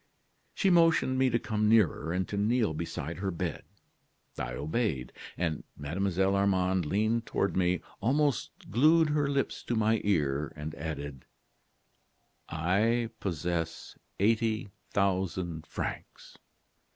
"She motioned me to come nearer, and to kneel beside her bed. "I obeyed, and Mademoiselle Armande leaned toward me, almost glued her lips to my ear, and added: "'I possess eighty thousand francs.